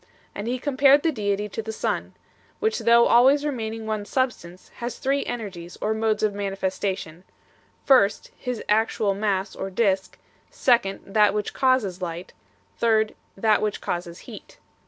And he compared the Deity to the sun, which though always remaining one substance, has three energies or modes of manifestation ; first, his actual mass or disc ; second, that which causes light ; third, that which causes heat 5